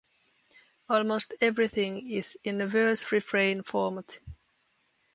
Almost everything is in a verse-refrain format.